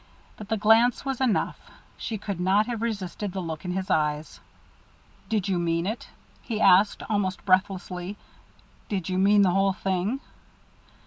But the glance was enough. She could not have resisted the look in his eyes. "Did you mean it?" he asked, almost breathlessly. "Did you mean the whole thing?"